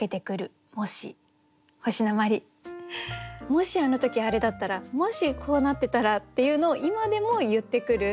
もしあの時あれだったらもしこうなってたらっていうのを今でも言ってくる。